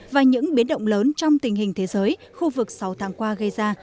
và những biến động lớn trong tình hình thế giới khu vực sáu tháng qua gây ra